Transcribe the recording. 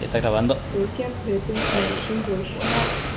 Толькі аб гэтым, ні аб чым больш.